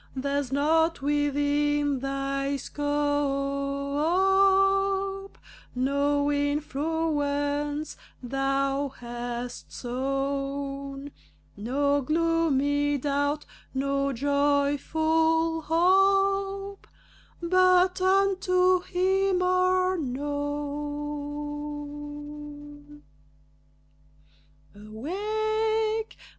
There's nought within thy scope, No influence thou hast sown, No gloomy doubt, no joyful hope, But unto him are known. Awake!